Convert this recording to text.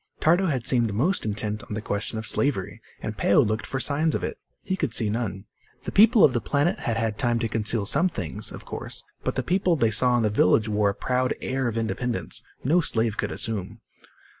Tardo had seemed most intent on the question of slavery, and Peo looked for signs of it. He could see none. The people of the planet had had time to conceal some things, of course. But the people they saw in the village wore a proud air of independence no slave could assume.